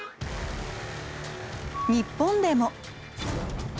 日本でも。